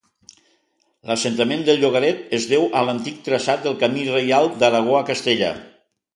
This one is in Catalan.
L'assentament del llogaret es deu a l'antic traçat del Camí Reial d'Aragó a Castella.